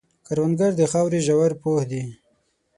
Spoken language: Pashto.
کروندګر د خاورې ژور پوه دی